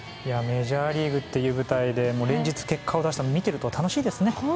メジャーリーグという舞台で連日結果を出して見ていると楽しいですね。